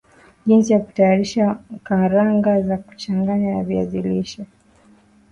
Jinsi ya kutayarisha karanga za kuchanganya na viazi lishe